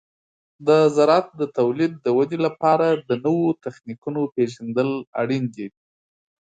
د زراعت د تولید د ودې لپاره د نوو تخنیکونو پیژندل اړین دي.